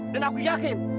dan aku yakin